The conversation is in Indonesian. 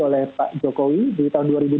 oleh pak jokowi di tahun dua ribu dua puluh